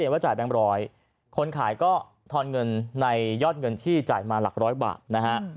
ว่าจ่ายแบงค์ร้อยคนขายก็ทอนเงินในยอดเงินที่จ่ายมาหลักร้อยบาทนะฮะ